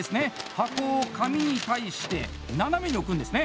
箱を紙に対して斜めに置くんですね。